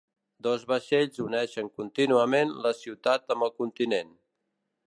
Dos vaixells uneixen contínuament la ciutat amb el continent.